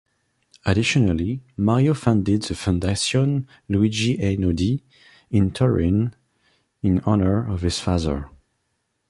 Additionally, Mario founded the Fondazione Luigi Einaudi in Turin in honor of his father.